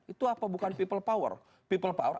itu apa bukan people power